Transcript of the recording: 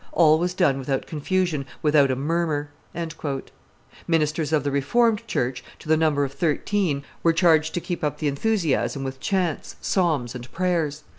All was done without confusion, without a murmur. Ministers of the Reformed church, to the number of thirteen, were charged to keep up the enthusiasm with chants, psalms, and prayers.